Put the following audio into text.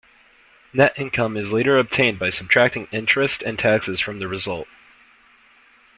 Net income is later obtained by subtracting interest and taxes from the result.